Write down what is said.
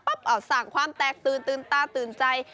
ปั๊บออกสั่งความแตกตื่นตื่นตาตื่นใจ